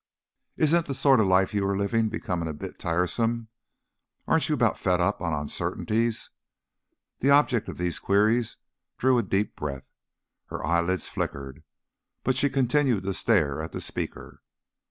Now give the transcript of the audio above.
"Isn't the sort of life you are living becoming a bit tiresome? Aren't you about fed up on uncertainties?" The object of these queries drew a deep breath; her eyelids flickered, but she continued to stare at the speaker.